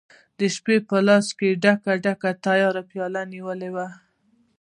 شپي په لاس کې ډکي، ډکي، د تیارو پیالې نیولي